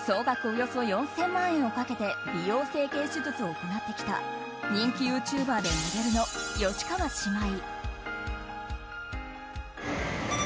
およそ４０００万円をかけて美容整形手術を行ってきた人気ユーチューバーでモデルの吉川姉妹。